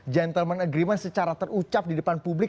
gentleman agreement secara terucap di depan publik